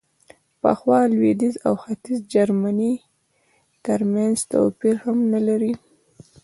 پخوا لوېدیځ او ختیځ جرمني ترمنځ توپیر هم نه لري.